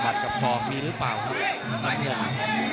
บัตรกับศอกมีหรือเปล่านั่นเลยครับ